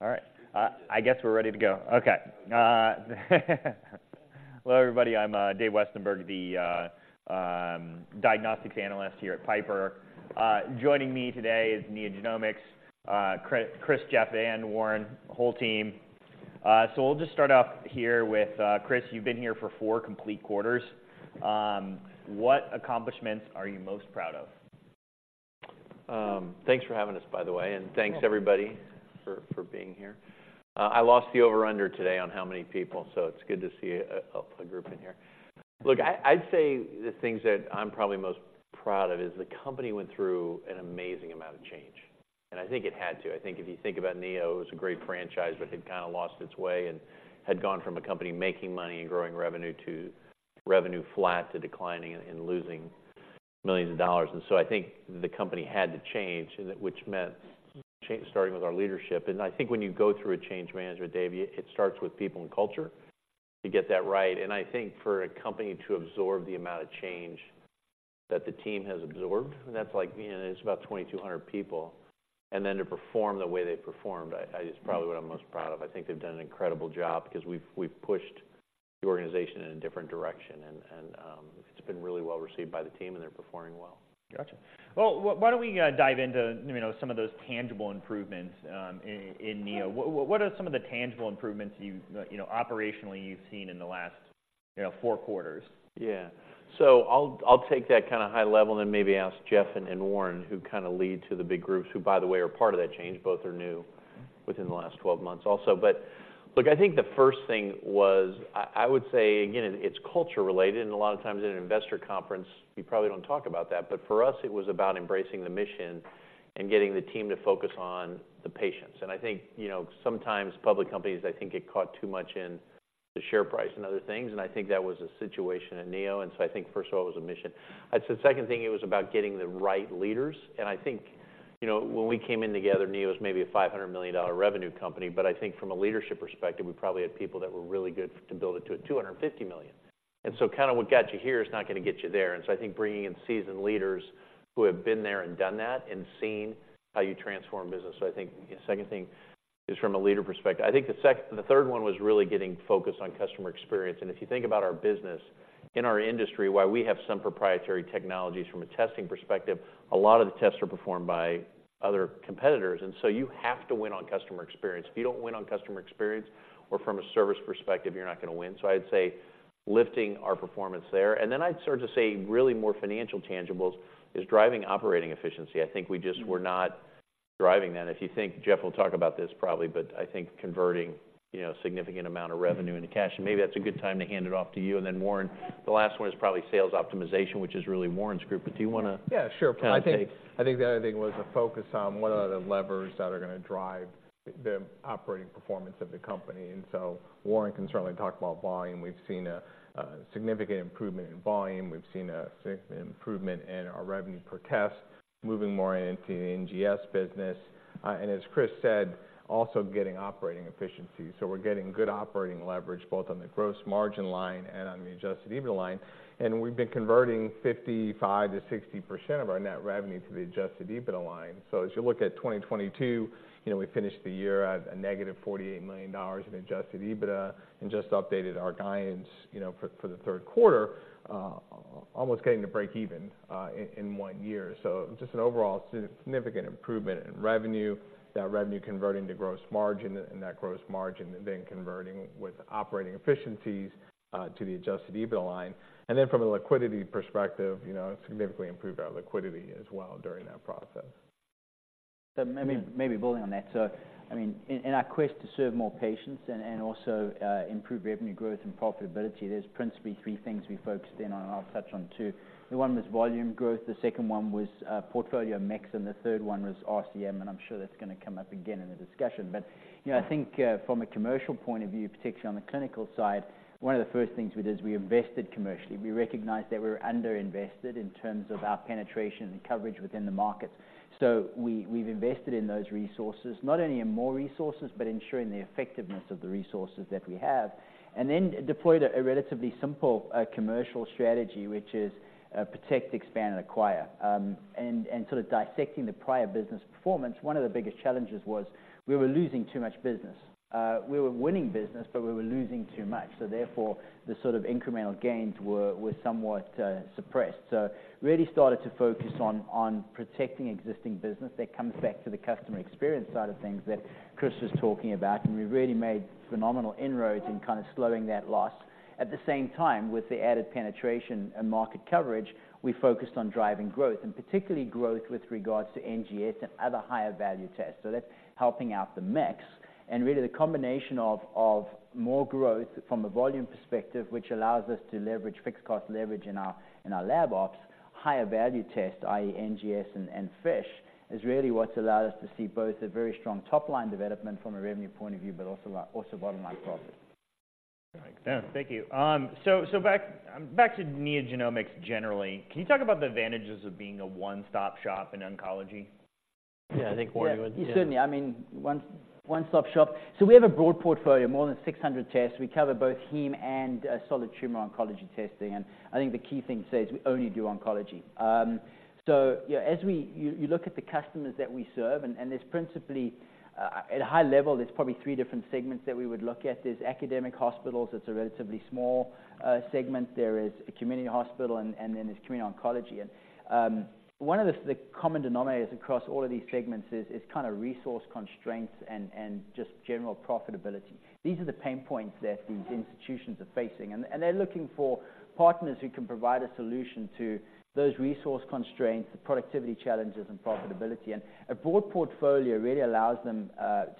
All right, I guess we're ready to go. Okay. Hello, everybody, I'm Dave Westenberg, the diagnostics analyst here at Piper. Joining me today is NeoGenomics, Chris, Jeff, and Warren, the whole team. So we'll just start off here with Chris, you've been here for four complete quarters. What accomplishments are you most proud of? Thanks for having us, by the way, and thanks, everybody, for being here. I lost the over-under today on how many people, so it's good to see a group in here. Look, I'd say the things that I'm probably most proud of is the company went through an amazing amount of change, and I think it had to. I think if you think about Neo, it was a great franchise, but had kinda lost its way and had gone from a company making money and growing revenue to revenue flat to declining and losing millions of dollars. So I think the company had to change, which meant starting with our leadership. I think when you go through a change management, Dave, it starts with people and culture, to get that right. And I think for a company to absorb the amount of change that the team has absorbed, and that's like, you know, it's about 2,200 people, and then to perform the way they've performed, I is probably what I'm most proud of. I think they've done an incredible job because we've pushed the organization in a different direction, and it's been really well-received by the team, and they're performing well. Gotcha. Well, why don't we dive into, you know, some of those tangible improvements in Neo? What are some of the tangible improvements you've, you know, operationally, you've seen in the last, you know, four quarters? Yeah. So I'll take that kinda high level and then maybe ask Jeff and Warren, who kinda lead to the big groups, who, by the way, are part of that change. Both are new- Mm-hmm.... within the last 12 months also. But look, I think the first thing was I would say, again, it's culture-related, and a lot of times in an investor conference, you probably don't talk about that. But for us, it was about embracing the mission and getting the team to focus on the patients. And I think, you know, sometimes public companies, I think, get caught too much in the share price and other things, and I think that was a situation at Neo, and so I think first of all, it was a mission. I'd say the second thing, it was about getting the right leaders. I think, you know, when we came in together, Neo was maybe a $500 million revenue company, but I think from a leadership perspective, we probably had people that were really good to build it to a $250 million. So kinda what got you here is not gonna get you there. So I think bringing in seasoned leaders who have been there and done that and seen how you transform business. So I think the second thing is from a leader perspective. I think the third one was really getting focused on customer experience, and if you think about our business, in our industry, while we have some proprietary technologies from a testing perspective, a lot of the tests are performed by other competitors, and so you have to win on customer experience. If you don't win on customer experience or from a service perspective, you're not gonna win. So I'd say lifting our performance there, and then I'd start to say, really more financial tangibles, is driving operating efficiency. I think we just were not driving that. If you think... Jeff will talk about this, probably, but I think converting, you know, a significant amount of revenue into cash, and maybe that's a good time to hand it off to you. And then, Warren, the last one is probably sales optimization, which is really Warren's group, but do you wanna- Yeah, sure- - kinda take? I think the other thing was the focus on what are the levers that are gonna drive the operating performance of the company. And so Warren can certainly talk about volume. We've seen a significant improvement in volume. We've seen a significant improvement in our revenue per test, moving more into the NGS business, and as Chris said, also getting operating efficiency. So we're getting good operating leverage, both on the gross margin line and on the adjusted EBITDA line. And we've been converting 55%-60% of our net revenue to the adjusted EBITDA line. So as you look at 2022, you know, we finished the year at -$48 million in adjusted EBITDA and just updated our guidance, you know, for the third quarter, almost getting to break even in one year. So just an overall significant improvement in revenue, that revenue converting to gross margin, and that gross margin and then converting with operating efficiencies to the Adjusted EBITDA line. And then from a liquidity perspective, you know, significantly improved our liquidity as well during that process. So maybe, maybe building on that. So, I mean, in, in our quest to serve more patients and, and also, improve revenue growth and profitability, there's principally three things we focused in on, and I'll touch on two. The one was volume growth, the second one was portfolio mix, and the third one was RCM, and I'm sure that's gonna come up again in the discussion. But, you know, I think, from a commercial point of view, particularly on the clinical side, one of the first things we did is we invested commercially. We recognized that we were underinvested in terms of our penetration and coverage within the market. So we've invested in those resources, not only in more resources, but ensuring the effectiveness of the resources that we have, and then deployed a relatively simple commercial strategy, which is protect, expand, and acquire. And sort of dissecting the prior business performance, one of the biggest challenges was we were losing too much business. We were winning business, but we were losing too much, so therefore, the sort of incremental gains were somewhat suppressed. So really started to focus on protecting existing business. That comes back to the customer experience side of things that Chris was talking about, and we really made phenomenal inroads in kind of slowing that loss. At the same time, with the added penetration and market coverage, we focused on driving growth, and particularly growth with regards to NGS and other higher-value tests, so that's helping out the mix. And really, the combination of more growth from a volume perspective, which allows us to leverage fixed cost leverage in our lab ops, higher value test, i.e., NGS and FISH, is really what's allowed us to see both a very strong top-line development from a revenue point of view, but also bottom-line profit. Yeah. Thank you. So back to NeoGenomics generally, can you talk about the advantages of being a one-stop shop in oncology? Yeah, I think Warren would- Yeah, certainly. I mean. So we have a broad portfolio, more than 600 tests. We cover both heme and solid tumor oncology testing, and I think the key thing to say is we only do oncology. So, you know, as we you look at the customers that we serve, and there's principally at a high level, there's probably three different segments that we would look at. There's academic hospitals, that's a relatively small segment. There is a community hospital, and then there's community oncology. And one of the common denominators across all of these segments is kind of resource constraints and just general profitability. These are the pain points that these institutions are facing, and they're looking for partners who can provide a solution to those resource constraints, the productivity challenges, and profitability. A broad portfolio really allows them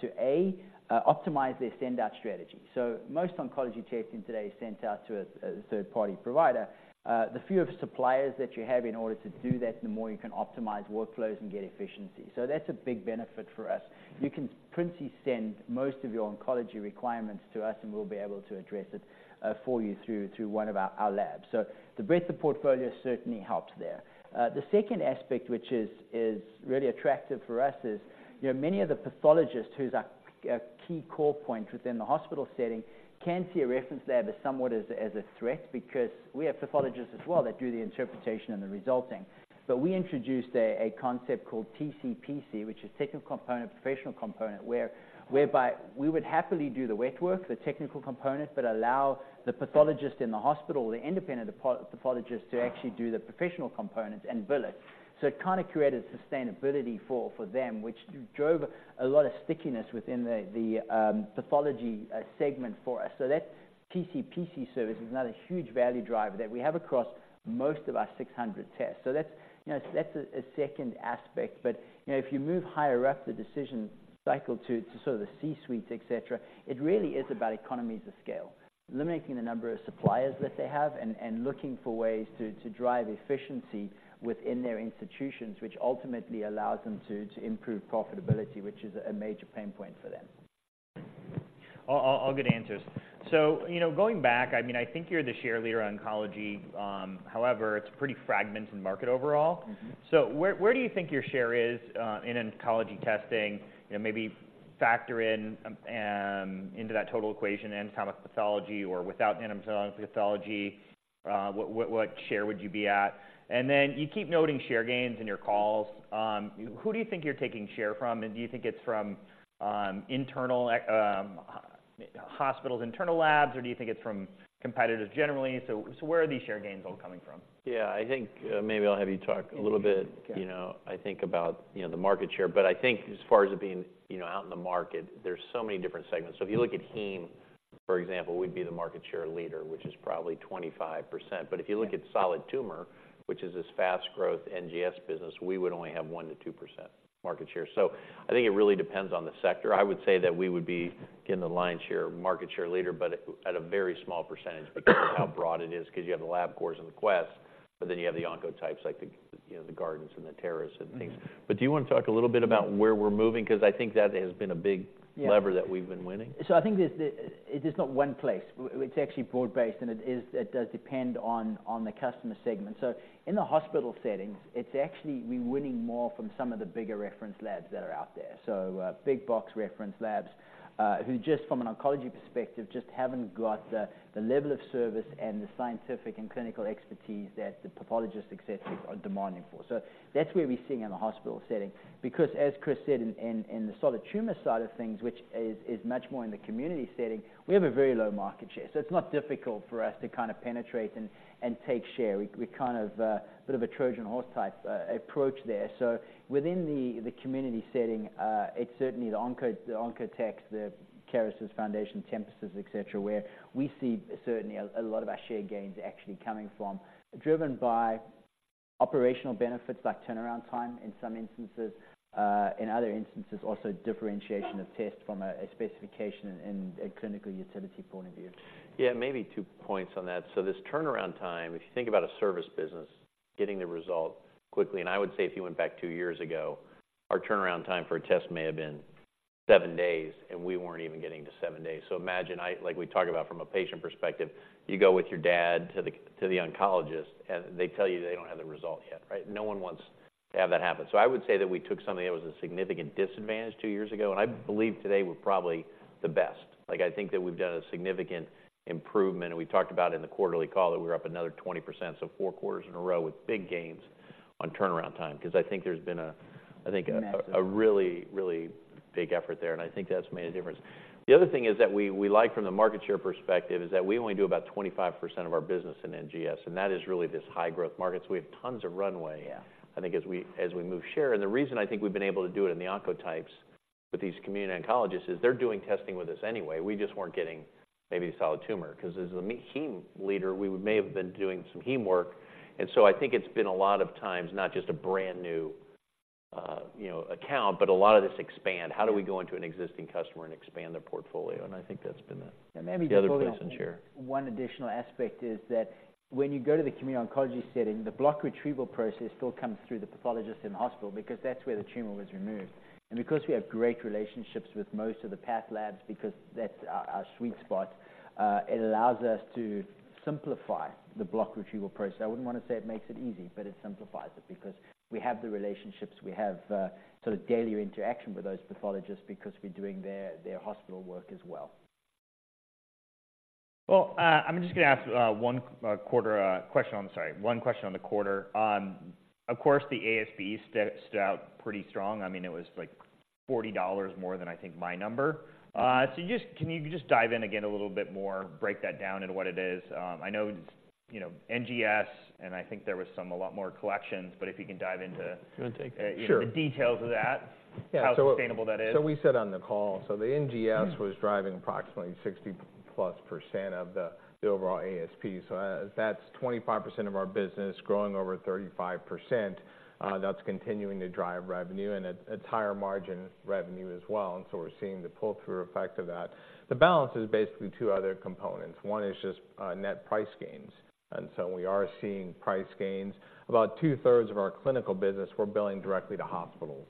to optimize their send-out strategy. So most oncology testing today is sent out to a third-party provider. The fewer suppliers that you have in order to do that, the more you can optimize workflows and get efficiency. So that's a big benefit for us. You can principally send most of your oncology requirements to us, and we'll be able to address it for you through one of our labs. So the breadth of portfolio certainly helps there. The second aspect, which is really attractive for us, is you know, many of the pathologists who's our key core point within the hospital setting, can see a reference lab as somewhat as a threat, because we have pathologists as well that do the interpretation and the resulting. But we introduced a concept called TCPC, which is technical component, professional component, whereby we would happily do the wet work, the technical component, but allow the pathologist in the hospital or the independent pathologist to actually do the professional components and bill it. So it kind of created sustainability for them, which drove a lot of stickiness within the pathology segment for us. So that TCPC service is another huge value driver that we have across most of our 600 tests. So that's, you know, that's a second aspect, but, you know, if you move higher up the decision cycle to sort of the C-suites, et cetera, it really is about economies of scale. Limiting the number of suppliers that they have and looking for ways to drive efficiency within their institutions, which ultimately allows them to improve profitability, which is a major pain point for them. All good answers. So, you know, going back, I mean, I think you're the share leader in oncology. However, it's a pretty fragmented market overall. Mm-hmm. So where do you think your share is in oncology testing? You know, maybe factor in into that total equation, anatomic pathology or without anatomic pathology, what share would you be at? And then you keep noting share gains in your calls. Who do you think you're taking share from, and do you think it's from internal hospital's internal labs, or do you think it's from competitors generally? So where are these share gains all coming from? Yeah, I think, maybe I'll have you talk a little bit- Okay. You know, I think about, you know, the market share, but I think as far as it being, you know, out in the market, there's so many different segments. So if you look at Heme, for example, we'd be the market share leader, which is probably 25%. But if you look at solid tumor, which is this fast growth NGS business, we would only have 1%-2% market share. So I think it really depends on the sector. I would say that we would be in the lion's share, market share leader, but at a very small percentage - because of how broad it is, because you have the Labcorps and the Quest, but then you have the Oncotypes, like the, you know, the Guardants and the Tempuses and things. Mm-hmm. But do you want to talk a little bit about where we're moving? Because I think that has been a big- Yeah.... lever that we've been winning. So I think there's... It is not one place. It's actually broad-based, and it does depend on the customer segment. So in the hospital settings, it's actually we're winning more from some of the bigger reference labs that are out there. So, big box reference labs, who just from an oncology perspective, just haven't got the level of service and the scientific and clinical expertise that the pathologists, et cetera, are demanding for. So that's where we see it in the hospital setting, because as Chris said, in the solid tumor side of things, which is much more in the community setting, we have a very low market share. So it's not difficult for us to kind of penetrate and take share. We kind of bit of a Trojan horse type approach there. So within the community setting, it's certainly the Oncotype, the Carises, Foundation, Tempuses, et cetera, where we see certainly a lot of our share gains actually coming from, driven by operational benefits like turnaround time, in some instances. In other instances, also differentiation of test from a specification and a clinical utility point of view. Yeah, maybe two points on that. So this turnaround time, if you think about a service business, getting the result quickly, and I would say if you went back two years ago, our turnaround time for a test may have been seven days, and we weren't even getting to seven days. So imagine—like we talk about from a patient perspective, you go with your dad to the oncologist, and they tell you they don't have the result yet, right? No one wants to have that happen. So I would say that we took something that was a significant disadvantage two years ago, and I believe today we're probably the best. Like, I think that we've done a significant improvement, and we talked about in the quarterly call that we're up another 20%, so four quarters in a row with big gains on turnaround time. Because I think there's been a- Massive-... a really, really big effort there, and I think that's made a difference. The other thing is that we like from the market share perspective, is that we only do about 25% of our business in NGS, and that is really this high-growth market. So we have tons of runway- Yeah. I think as we move share. And the reason I think we've been able to do it in the Oncotypes with these community oncologists is they're doing testing with us anyway. We just weren't getting maybe solid tumor, because as a heme leader, we may have been doing some heme work. And so I think it's been a lot of times, not just a brand new, you know, account, but a lot of this expand. Yeah. How do we go into an existing customer and expand their portfolio? I think that's been the- And maybe-... the other piece here. One additional aspect is that when you go to the community oncology setting, the block retrieval process still comes through the pathologist in the hospital because that's where the tumor was removed. Because we have great relationships with most of the path labs, because that's our sweet spot, it allows us to simplify the block retrieval process. I wouldn't want to say it makes it easy, but it simplifies it because we have the relationships, we have sort of daily interaction with those pathologists because we're doing their hospital work as well. ... Well, I'm just gonna ask, I'm sorry, one question on the quarter. Of course, the ASP stood out pretty strong. I mean, it was like $40 more than I think my number. So just can you just dive in again a little bit more, break that down into what it is? I know, you know, NGS, and I think there was some a lot more collections, but if you can dive into- You wanna take it? Sure. The details of that. Yeah, so- How sustainable that is. So we said on the call, so the NGS was driving approximately +60% of the overall ASP. So, that's 25% of our business growing over 35%. That's continuing to drive revenue, and at higher margin revenue as well. And so we're seeing the pull-through effect of that. The balance is basically two other components. One is just net price gains. And so we are seeing price gains. About 2/3 of our clinical business, we're billing directly to hospitals.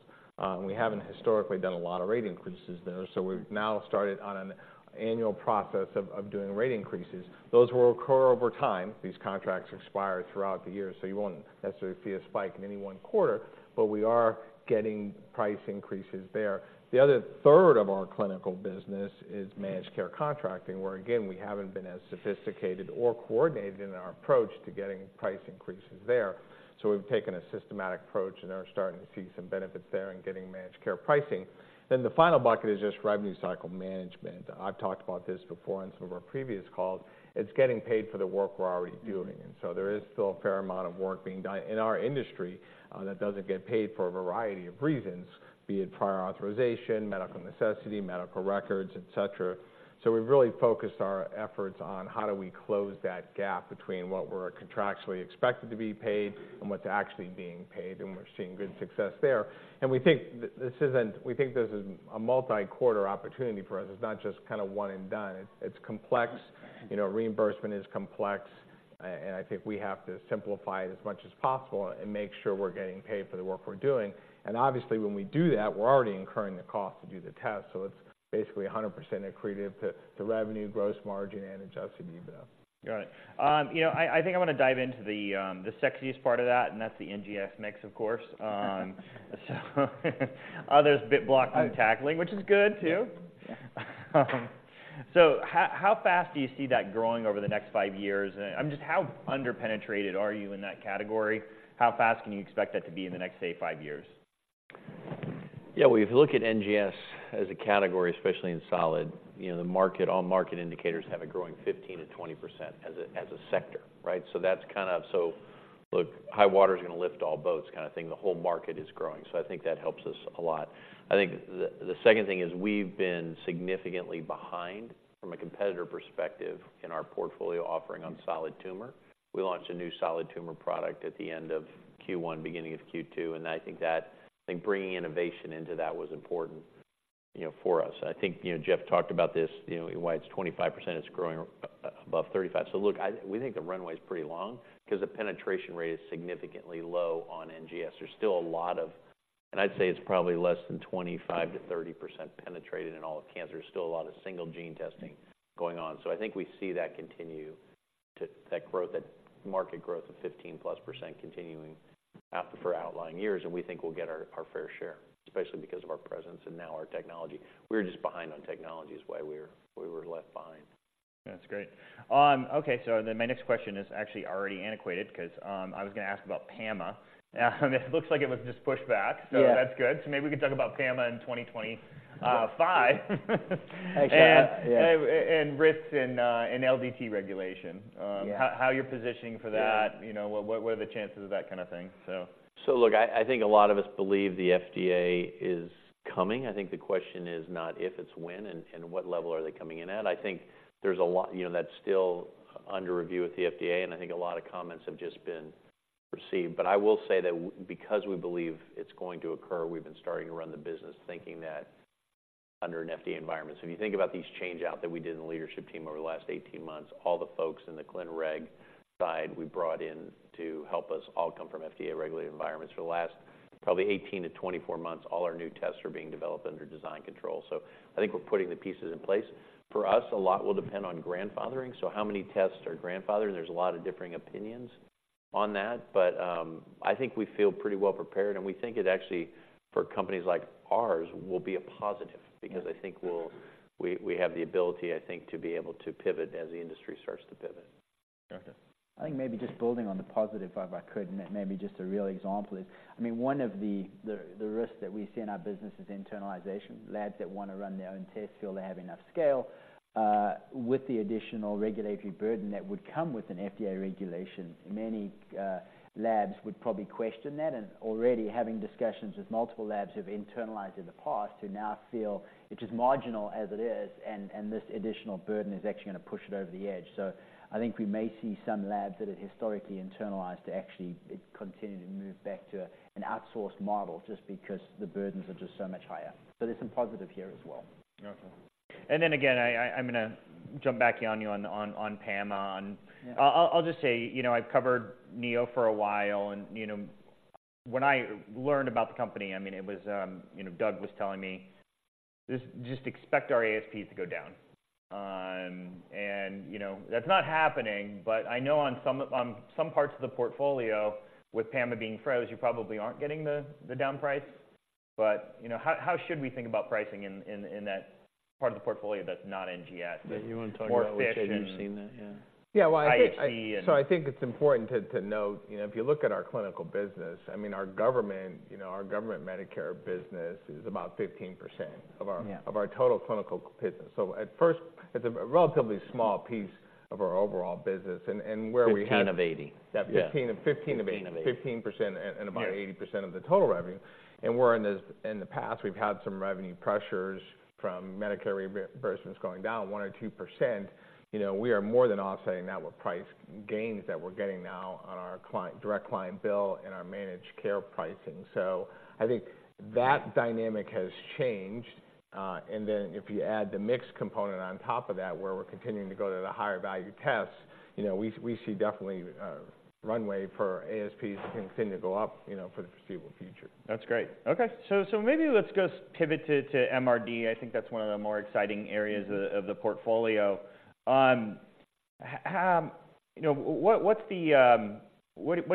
We haven't historically done a lot of rate increases there, so we've now started on an annual process of doing rate increases. Those will occur over time. These contracts expire throughout the year, so you won't necessarily see a spike in any one quarter, but we are getting price increases there. The other third of our clinical business is managed care contracting, where, again, we haven't been as sophisticated or coordinated in our approach to getting price increases there. So we've taken a systematic approach and are starting to see some benefits there in getting managed care pricing. Then the final bucket is just revenue cycle management. I've talked about this before on some of our previous calls. It's getting paid for the work we're already doing, and so there is still a fair amount of work being done in our industry, that doesn't get paid for a variety of reasons, be it prior authorization, medical necessity, medical records, et cetera. So we've really focused our efforts on how do we close that gap between what we're contractually expected to be paid and what's actually being paid, and we're seeing good success there. And we think this isn't... We think this is a multi-quarter opportunity for us. It's not just kind of one and done. It's, it's complex. You know, reimbursement is complex, and I think we have to simplify it as much as possible and make sure we're getting paid for the work we're doing. And obviously, when we do that, we're already incurring the cost to do the test, so it's basically 100% accretive to, to revenue, gross margin, and Adjusted EBITDA. Got it. You know, I think I wanna dive into the sexiest part of that, and that's the NGS mix, of course. There's blocking and tackling, which is good, too. So how fast do you see that growing over the next five years? I mean, just how underpenetrated are you in that category? How fast can you expect that to be in the next, say, five years? Yeah, well, if you look at NGS as a category, especially in solid, you know, the market, all market indicators have it growing 15%-20% as a, as a sector, right? So that's kind of... So look, high water is gonna lift all boats kind of thing. The whole market is growing, so I think that helps us a lot. I think the, the second thing is we've been significantly behind from a competitor perspective in our portfolio offering on solid tumor. We launched a new solid tumor product at the end of Q1, beginning of Q2, and I think that, I think bringing innovation into that was important, you know, for us. I think, you know, Jeff talked about this, you know, why it's 25%, it's growing above 35%. So look, I, we think the runway is pretty long because the penetration rate is significantly low on NGS. There's still a lot of... And I'd say it's probably less than 25%-30% penetrated in all of cancer. There's still a lot of single gene testing going on. So I think we see that continue to-- that growth, that market growth of +15% continuing out for outlying years, and we think we'll get our, our fair share, especially because of our presence and now our technology. We're just behind on technology is why we were, we were left behind. That's great. Okay, so then my next question is actually already antiquated because I was gonna ask about PAMA, and it looks like it was just pushed back. Yeah. That's good. Maybe we can talk about PAMA in 2025. Actually, yeah. And risks in LDT regulation. Yeah. How you're positioning for that? Yeah. You know, what, what are the chances of that kind of thing? So... So look, I, I think a lot of us believe the FDA is coming. I think the question is not if, it's when, and, and what level are they coming in at? I think there's a lot, you know, that's still under review with the FDA, and I think a lot of comments have just been received. But I will say that because we believe it's going to occur, we've been starting to run the business, thinking that under an FDA environment. So if you think about these change out that we did in the leadership team over the last 18 months, all the folks in the clin reg side we brought in to help us all come from FDA-regulated environments. For the last probably 18-24 months, all our new tests are being developed under design control. So I think we're putting the pieces in place. For us, a lot will depend on grandfathering, so how many tests are grandfathered? And there's a lot of differing opinions on that. But, I think we feel pretty well prepared, and we think it actually, for companies like ours, will be a positive... because I think we'll have the ability, I think, to be able to pivot as the industry starts to pivot. Okay. I think maybe just building on the positive, if I could, and it may be just a real example is, I mean, one of the risks that we see in our business is internalization. Labs that wanna run their own tests feel they have enough scale, with the additional regulatory burden that would come with an FDA regulation. Many labs would probably question that, and already having discussions with multiple labs who have internalized in the past, who now feel it's as marginal as it is, and this additional burden is actually gonna push it over the edge. So I think we may see some labs that had historically internalized to actually it continue to move back to an outsourced model just because the burdens are just so much higher. So there's some positive here as well. Okay. And then again, I'm gonna jump back on you on PAMA, and- Yeah.... I'll just say, you know, I've covered Neo for a while, and, you know, when I learned about the company, I mean, it was, you know, Doug was telling me, "Just expect our ASPs to go down." And, you know, that's not happening, but I know on some parts of the portfolio, with PAMA being frozen, you probably aren't getting the down price? But, you know, how should we think about pricing in that part of the portfolio that's not NGS? Yeah, you want to talk about- More efficient- You've seen that? Yeah. Yeah, well, I think- I see- So I think it's important to note, you know, if you look at our clinical business, I mean, our government, you know, our government Medicare business is about 15% of our- Yeah.... of our total clinical business. So at first, it's a relatively small piece of our overall business, and where we have- 15 of 80. Yeah, 15 of 80. 15 of 80. 15%- Yeah.... about 80% of the total revenue, and we're in this. In the past, we've had some revenue pressures from Medicare reimbursements going down 1% or 2%. You know, we are more than offsetting that with price gains that we're getting now on our client direct client bill and our managed care pricing. So I think that dynamic has changed. And then, if you add the mix component on top of that, where we're continuing to go to the higher value tests, you know, we see definitely runway for ASPs to continue to go up, you know, for the foreseeable future. That's great. Okay. So maybe let's just pivot to MRD. I think that's one of the more exciting areas of the portfolio. How... You know, what do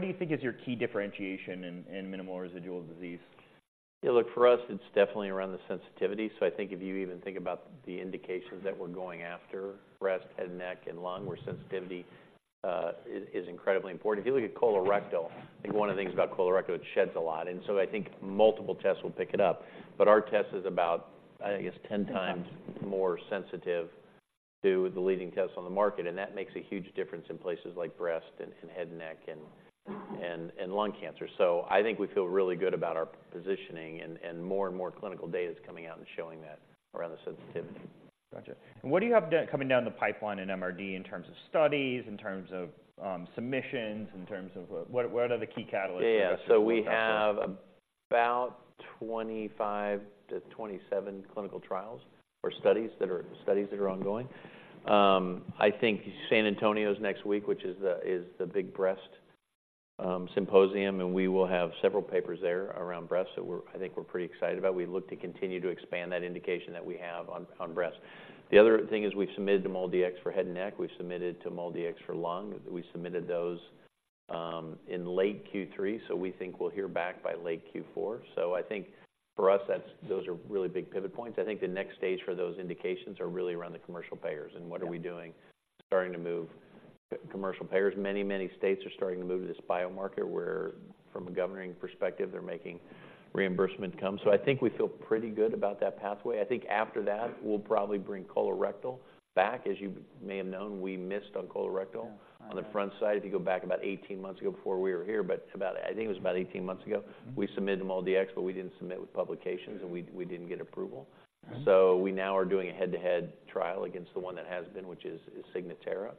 you think is your key differentiation in minimal residual disease? Yeah, look, for us, it's definitely around the sensitivity. So I think if you even think about the indications that we're going after: breast, head, neck, and lung, where sensitivity is incredibly important. If you look at colorectal, I think one of the things about colorectal, it sheds a lot, and so I think multiple tests will pick it up. But our test is about, I think, it's 10x more sensitive to the leading tests on the market, and that makes a huge difference in places like breast and head and neck, and lung cancer. So I think we feel really good about our positioning and more and more clinical data is coming out and showing that around the sensitivity. Gotcha. And what do you have coming down the pipeline in MRD in terms of studies, in terms of submissions, in terms of what are the key catalysts? Yeah. So we have about 25-27 clinical trials or studies that are ongoing. I think San Antonio's next week, which is the big breast symposium, and we will have several papers there around breast. So we're, I think we're pretty excited about. We look to continue to expand that indication that we have on breast. The other thing is we've submitted to MolDX for head and neck, we've submitted to MolDX for lung. We submitted those in late Q3, so we think we'll hear back by late Q4. So I think for us, that's, those are really big pivot points. I think the next stage for those indications are really around the commercial payers.... and what are we doing, starting to move commercial payers. Many, many states are starting to move to this biomarker, where, from a governing perspective, they're making reimbursement come. So I think we feel pretty good about that pathway. I think after that, we'll probably bring colorectal back. As you may have known, we missed on colorectal-... on the front side. If you go back about 18 months ago, before we were here, but about... I think it was about 18 months ago- Mm-hmm.... we submitted MolDX, but we didn't submit with publications, and we didn't get approval. Mm-hmm. We now are doing a head-to-head trial against the one that has been, which is Signatera.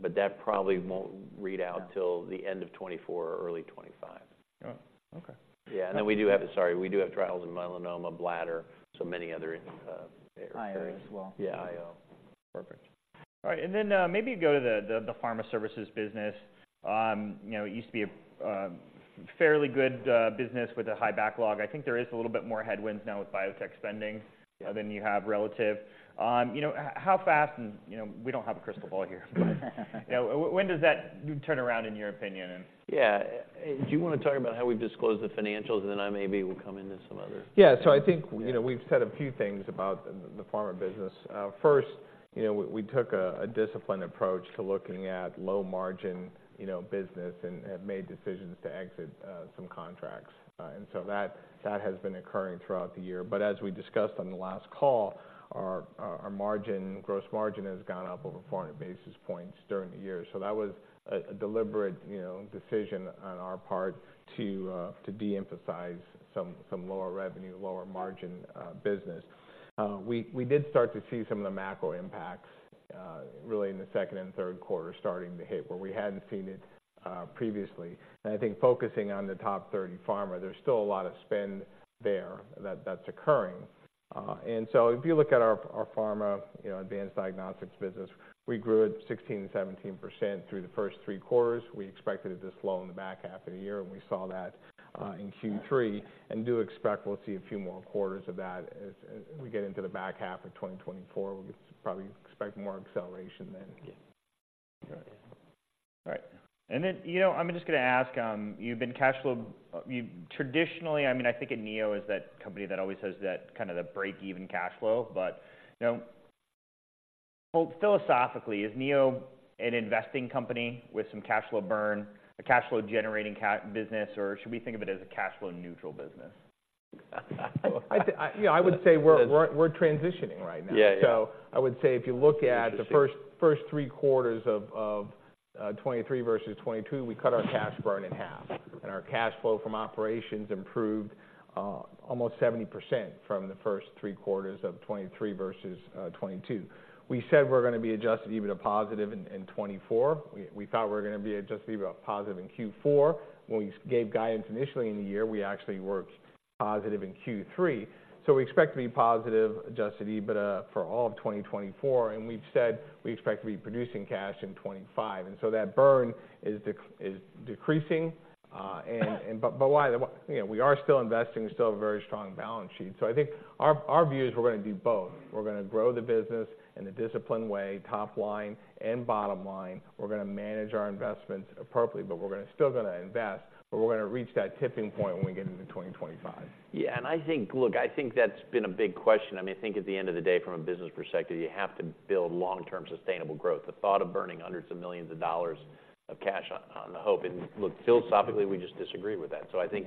But that probably won't read out- Yeah.... till the end of 2024 or early 2025. Oh, okay. Yeah, and then we do have. Sorry, we do have trials in melanoma, bladder, so many other areas. IO as well. Yeah, IO. Perfect. All right, and then, maybe go to the Pharma Services business. You know, it used to be a fairly good business with a high backlog. I think there is a little bit more headwinds now with biotech spending- Yeah.... than you have relative. You know, how fast, and, you know, we don't have a crystal ball here. You know, when does that turn around, in your opinion, and- Yeah. Do you wanna talk about how we've disclosed the financials, and then I maybe will come into some other- Yeah. So I think, you know, we've said a few things about the pharma business. First, you know, we took a disciplined approach to looking at low margin business and made decisions to exit some contracts. And so that has been occurring throughout the year. But as we discussed on the last call, our gross margin has gone up over 400 basis points during the year. So that was a deliberate, you know, decision on our part to de-emphasize some lower revenue, lower margin business. We did start to see some of the macro impacts really in the second and third quarter, starting to hit, where we hadn't seen it previously. I think focusing on the top 30 pharma, there's still a lot of spend there that's occurring. And so if you look at our pharma, you know, advanced diagnostics business, we grew at 16%-17% through the first three quarters. We expected it to slow in the back half of the year, and we saw that in Q3, and do expect we'll see a few more quarters of that. As we get into the back half of 2024, we'll probably expect more acceleration then. Yeah. Right. All right, and then, you know, I'm just gonna ask, you've been cashflow. Traditionally, I mean, I think of Neo as that company that always has that kind of the break-even cashflow. But, you know, well, philosophically, is Neo an investing company with some cashflow burn, a cashflow-generating business, or should we think of it as a cashflow-neutral business? I think, yeah, I would say we're transitioning right now. Yeah, yeah. I would say, if you look at- Interesting.... the first three quarters of 2023 versus 2022, we cut our cash burn in half, and our cash flow from operations improved almost 70% from the first three quarters of 2023 versus 2022. We said we're gonna be Adjusted EBITDA positive in 2024. We thought we were gonna be Adjusted EBITDA positive in Q4. When we gave guidance initially in the year, we actually were positive in Q3. So we expect to be positive Adjusted EBITDA for all of 2024, and we've said we expect to be producing cash in 2025. And so that burn is decreasing, and but while, you know, we are still investing, we still have a very strong balance sheet. So I think our view is we're gonna do both. We're gonna grow the business in a disciplined way, top line and bottom line. We're gonna manage our investments appropriately, but we're still gonna invest, but we're gonna reach that tipping point when we get into 2025. Yeah, and I think... Look, I think that's been a big question. I mean, I think at the end of the day, from a business perspective, you have to build long-term sustainable growth. The thought of burning hundreds of millions of dollars of cash on, on the hope, and look, philosophically, we just disagree with that. Yeah. So I think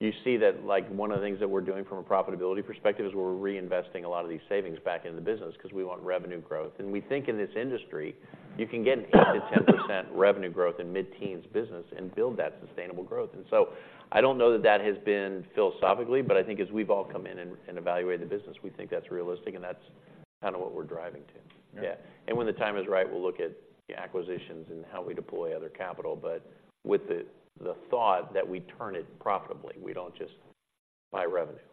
you see that, like, one of the things that we're doing from a profitability perspective is we're reinvesting a lot of these savings back into the business, 'cause we want revenue growth. And we think in this industry, you can get 8%-10% revenue growth in mid-teens business and build that sustainable growth. And so I don't know that that has been philosophically, but I think as we've all come in and, and evaluated the business, we think that's realistic, and that's kind of what we' re driving to. Yeah. When the time is right, we'll look at the acquisitions and how we deploy other capital, but with the thought that we turn it profitably. We don't just buy revenue.